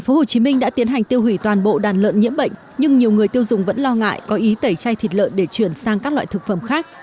tp hcm đã tiến hành tiêu hủy toàn bộ đàn lợn nhiễm bệnh nhưng nhiều người tiêu dùng vẫn lo ngại có ý tẩy chay thịt lợn để chuyển sang các loại thực phẩm khác